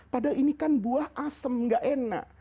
padahal ini kan buah asem gak enak